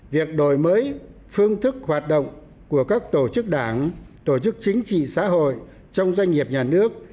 việc đổi mới phương thức hoạt động của các tổ chức đảng tổ chức chính trị xã hội trong doanh nghiệp nhà nước